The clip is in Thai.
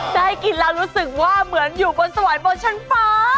ได้กินแล้วรู้สึกว่าเหมือนอยู่บนสวรรค์บนชั้นฟ้า